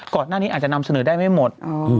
ก่อนหน้านี้อาจจะนำเสนอได้ไม่หมด